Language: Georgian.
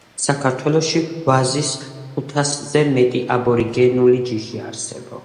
საქართველოში ვაზის ხუტასზეზე მეტი აბორიგენული ჯიში არსებობს